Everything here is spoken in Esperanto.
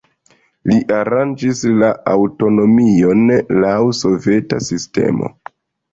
Li aranĝis la aŭtonomion laŭ soveta sistemo.